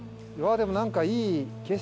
でもなんかいい景色。